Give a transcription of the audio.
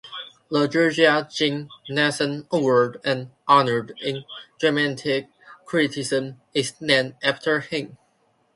The George Jean Nathan Award, an honor in dramatic criticism, is named after him.